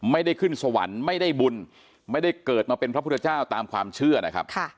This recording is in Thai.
ไม่ได้ขึ้นสวรรค์ไม่ได้บุญไม่ได้เกิดมาเป็นพระพุทธเจ้าตามความเชื่อนะครับ